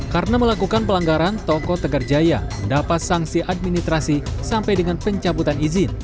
karena melakukan pelanggaran toko tegar jaya mendapat sanksi administrasi sampai dengan pencabutan izin